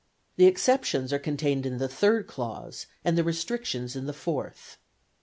The exceptions are contained in the third clause, and the restrictions in the fourth.